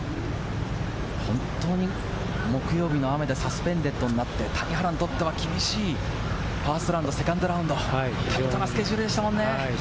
本当に木曜日の雨で、サスペンデッドになって、谷原にとっては厳しいファーストラウンド、セカンドラウンド、タイトなスケジュールでしたもんね。